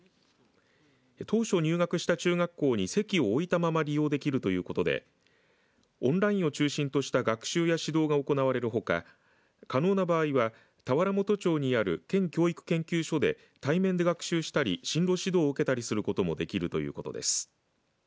当初入学した中学校に籍を置いたまま利用できるということでオンラインを中心とした学習や指導が行われるほか可能な場合は田原本町にある県教育研究所で対面で学習したり進路指導を受けたりすることもできるということです。